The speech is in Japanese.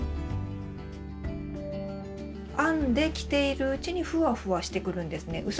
編んで着ているうちにふわふわしてくるんですね。